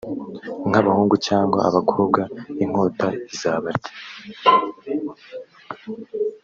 nk abahunga cyangwa abakobwa inkota izabarya